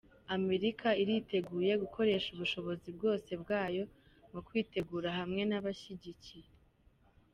""Amerika iriteguye gukoresha ubushobozi bwose bwayo mu kwitegura hamwe n'ababashigikiye".